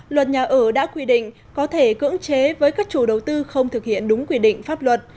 luật nhà ở đã quy định có thể cưỡng chế với các chủ đầu tư không thực hiện đúng quy định pháp luật